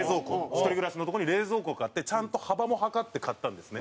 一人暮らしのとこに冷蔵庫を買ってちゃんと幅も測って買ったんですね。